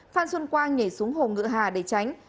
phan xuân quang nhảy xuống hồ ngựa hà để tránh